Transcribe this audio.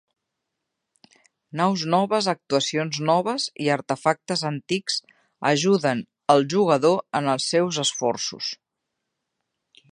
Naus noves, actualitzacions noves i artefactes antics ajuden el jugador en els seus esforços.